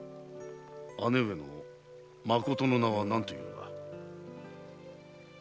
姉上のまことの名は何というのだ？